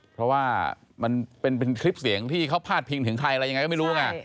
เพราะว่ามันเป็นคลิปเสียงที่เขาพาดพิงถึงใครอะไรยังไงก็ไม่รู้ไง